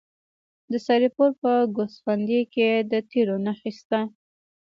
د سرپل په ګوسفندي کې د تیلو نښې شته.